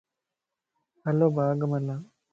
ھلو باغ ءَ مَ ھلان